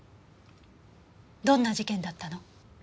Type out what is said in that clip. どんな事件だったの？